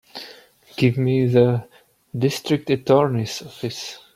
Give me the District Attorney's office.